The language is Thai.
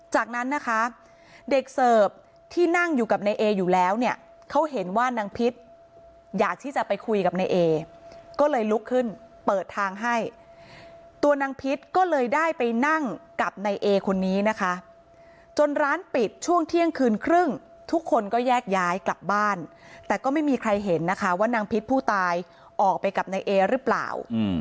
จากนั้นนะคะเด็กเสิร์ฟที่นั่งอยู่กับนายเออยู่แล้วเนี่ยเขาเห็นว่านางพิษอยากที่จะไปคุยกับนายเอก็เลยลุกขึ้นเปิดทางให้ตัวนางพิษก็เลยได้ไปนั่งกับในเอคนนี้นะคะจนร้านปิดช่วงเที่ยงคืนครึ่งทุกคนก็แยกย้ายกลับบ้านแต่ก็ไม่มีใครเห็นนะคะว่านางพิษผู้ตายออกไปกับนายเอหรือเปล่า